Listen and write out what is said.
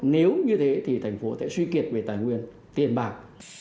nếu như thế thì thành phố sẽ suy kiệt về tài nguyên tiền bạc